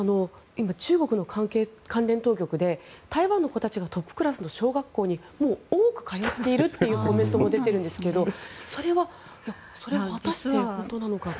今、中国の関連当局で台湾の子たちがトップクラスの小学校にもう多く通っているというコメントも出ているんですがそれは果たして本当なのかと。